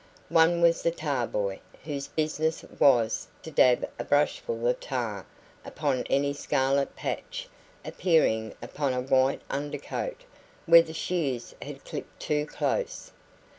One was the tar boy, whose business it was to dab a brushful of tar upon any scarlet patch appearing upon a white under coat where the shears had clipped too close.